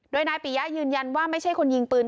โดยนายปิยะยืนยันว่าไม่ใช่คนยิงปืน